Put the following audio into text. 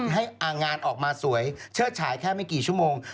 ให้งานออกมาสวยเชิดฉายแค่ไม่กี่ชั่วโมง